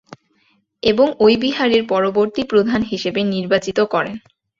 এবং ঐ বিহারের পরবর্তী প্রধান হিসেবে নির্বাচিত করেন।